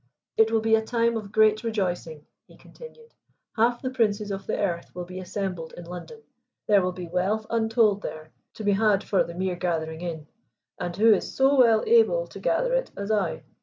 "It will be a time of great rejoicing," he continued. "Half the princes of the earth will be assembled in London. There will be wealth untold there, to be had for the mere gathering in; and who is so well able to gather it as I?